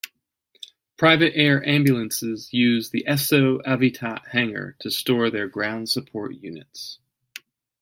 Private air ambulances used the Esso Avitat hangar to store their ground support units.